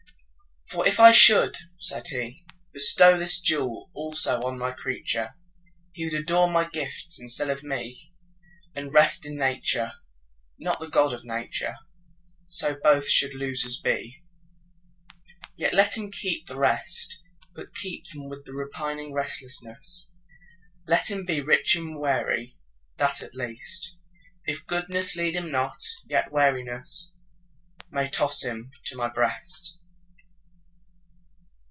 For if I should (said He)Bestow this jewel also on My creature, He would adore My gifts instead of Me, And rest in Nature, not the God of Nature:So both should losers be. Yet let him keep the rest, But keep them with repining restlessness; Let him be rich and weary, that at least, If goodness lead him not, yet wearinessMay toss him to My breast.